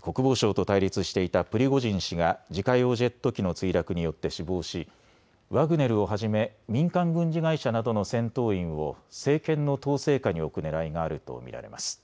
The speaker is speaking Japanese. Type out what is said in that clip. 国防省と対立していたプリゴジン氏が自家用ジェット機の墜落によって死亡しワグネルをはじめ民間軍事会社などの戦闘員を政権の統制下に置くねらいがあると見られます。